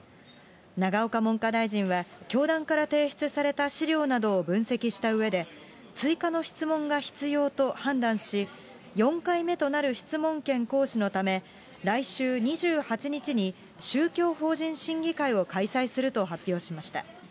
永岡文科大臣は、教団から提出された資料などを分析したうえで、追加の質問が必要と判断し、４回目となる質問権行使のため、来週２８日に、宗教法人審議会を開催すると発表しました。